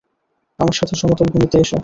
আমার সাথে সমতল ভূমিতে এসো।